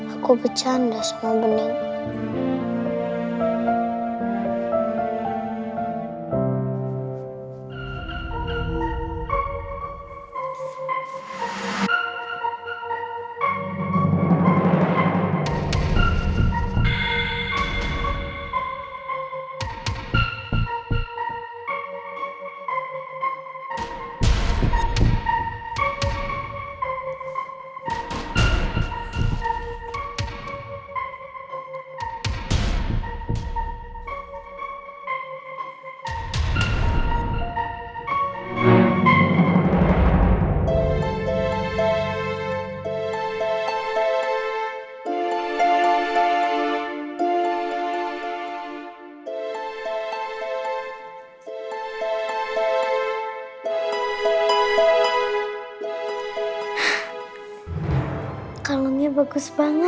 aku bercanda sama bening